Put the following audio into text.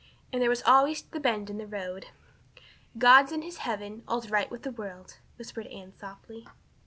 And there was always the bend in the road! "'God's in his heaven, all's right with the world,'" whispered Anne softly.